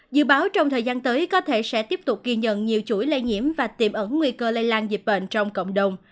dự báo trong thời gian tới có thể sẽ tiếp tục ghi nhận nhiều chuỗi lây nhiễm và tiềm ẩn nguy cơ lây lan dịch bệnh trong cộng đồng